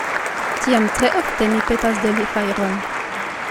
Tiam tre ofte mi petas de li fajron.